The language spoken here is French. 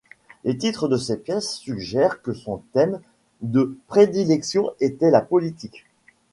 Les titres de ces pièces suggèrent que son thème de prédilection était la politique.